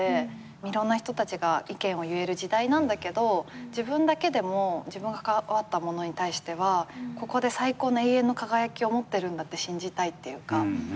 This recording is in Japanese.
いろんな人たちが意見を言える時代なんだけど自分だけでも自分が関わったものに対してはここで最高の永遠の輝きを持ってるんだって信じたいっていうか。